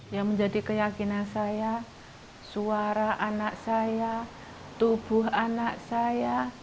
yang menjadi keyakinan saya suara anak saya tubuh anak saya